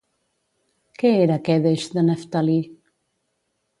Què era Quèdeix de Neftalí?